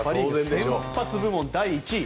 先発部門、第１位。